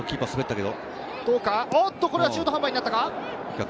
これは中途半端になったか。